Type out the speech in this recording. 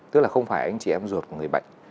tức là không phải anh chị em ruột của người bệnh